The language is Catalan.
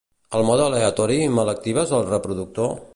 El mode aleatori, me l'actives al reproductor?